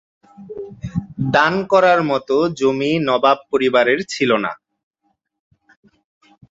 দান করার মতো জমি নবাব পরিবারের ছিলো না।